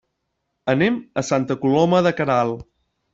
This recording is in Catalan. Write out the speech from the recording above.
Anem a Santa Coloma de Queralt.